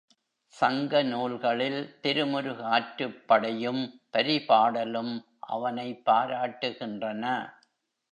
சங்க நூல்களில் திருமுரு காற்றுப்படையும் பரிபாடலும் அவனைப் பாராட்டுகின்றன.